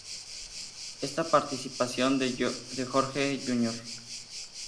Esta participación de Jorge Jr.